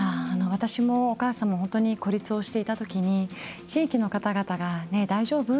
私も、お母さんも本当に孤立をしていたときに地域の方々が「大丈夫？」